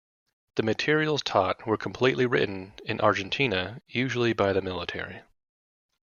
The materials taught were completely written in Argentina, usually by the military.